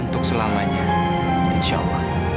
untuk selamanya insya allah